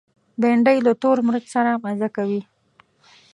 بېنډۍ له تور مرچ سره مزه لري